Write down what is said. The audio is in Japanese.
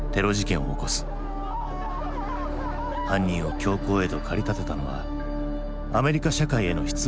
犯人を凶行へと駆り立てたのはアメリカ社会への失望だったのか？